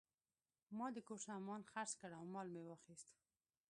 ما د کور سامان خرڅ کړ او مال مې واخیست.